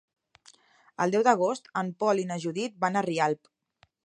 El deu d'agost en Pol i na Judit van a Rialp.